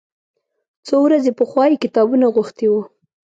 څو ورځې پخوا یې کتابونه غوښتي و.